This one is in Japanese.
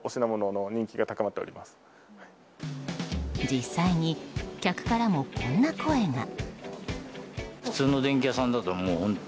実際に、客からもこんな声が。